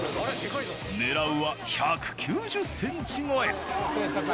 ねらうは１９０センチ超え。